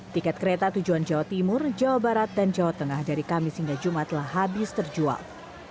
tiket kereta tujuan jawa timur jawa barat dan jawa tengah dari kamis hingga jumat telah habis terjual